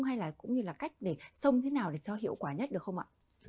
hay là cũng như là cách để sông thế nào để cho hiệu quả nhất được không ạ